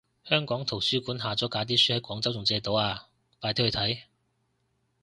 香港圖書館下咗架啲書喺廣州仲借到啊，快啲去睇